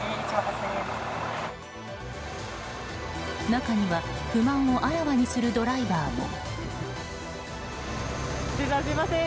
中には不満をあらわにするドライバーも。